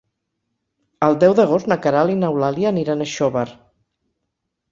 El deu d'agost na Queralt i n'Eulàlia aniran a Xóvar.